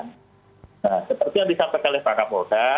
nah seperti yang disampaikan oleh para moda